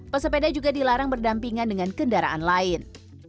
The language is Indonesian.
pesepeda juga dilarang berdampingan dengan kendaraan lain